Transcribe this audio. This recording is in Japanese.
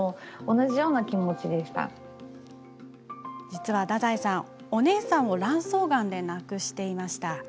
実は太宰さん、お姉さんを卵巣がんで亡くしていました。